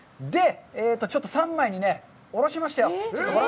ちょっと三枚におろしましたよ。